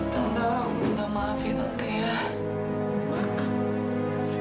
tante aku minta maaf ya tante ya